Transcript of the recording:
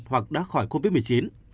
hoặc đã khỏi covid một mươi chín